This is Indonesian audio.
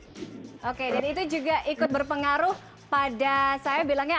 jadi itu juga berpengaruh pada saya bilangnya